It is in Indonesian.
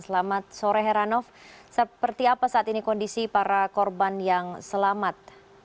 selamat sore heranov seperti apa saat ini kondisi para korban yang selamat